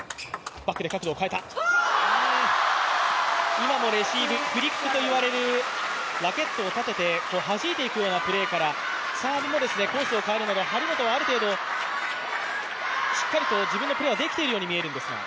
今のレシーブ、フリックといわれるラケットをたててはじいていくようなプレーからサーブもコースを変えるまで、張本はある程度、しっかりと自分のプレーができているように見えるんですが。